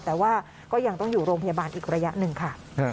แต่ว่าก็ยังต้องอยู่โรงพยาบาลอีกระยะหนึ่งค่ะ